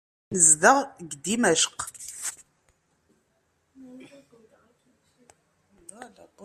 Nezdeɣ deg Dimecq.